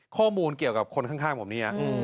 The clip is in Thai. ข้อมูลเกี่ยวกับคนข้างผมเนี่ย